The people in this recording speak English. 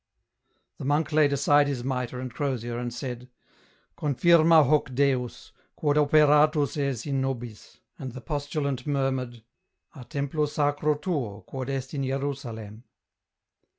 The monk laid aside his mitre and crosier and said, —" Confirma hoc Deus, quod operatus as in nobis." And the postulant murmured, —*' A templo sacro tuo quod est in Jerusalem."